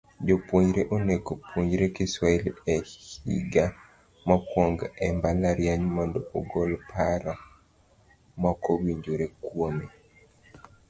Jopuonjre onego opuonjre Kiswahili e higa mokwongo e mbalariany mondo ogol paro mokowinjore kuome.